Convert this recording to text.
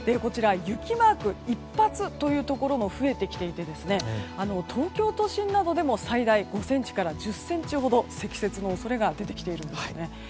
雪マーク一発というところも増えてきていまして東京都心などでも最大５ｃｍから１０ｃｍほど積雪の恐れが出てきているんです。